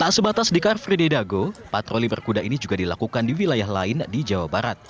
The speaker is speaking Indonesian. tak sebatas di car frede dago patroli berkuda ini juga dilakukan di wilayah lain di jawa barat